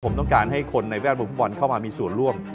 ผมต้องการให้คนในแวดวงฟุตบอลเข้ามามีส่วนร่วม